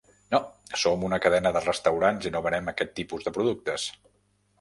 No, som una cadena de restaurants i no venem aquest tipus de productes.